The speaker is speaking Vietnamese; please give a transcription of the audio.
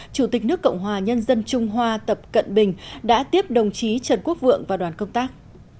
chủ tịch nước cộng hòa nhân dân trung hoa tập cận bình đã tiếp đồng chí trần quốc vượng và đoàn công tác